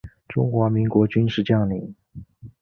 中华民国军事将领。